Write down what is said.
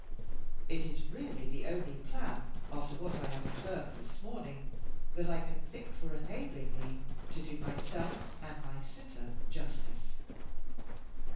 It is really the only plan, after what I have observed this morning, that I can think of for enabling me to do myself and my sitter justice."